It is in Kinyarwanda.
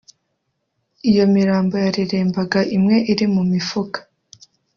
Iyo mirambo yarerembaga imwe iri mu mifuka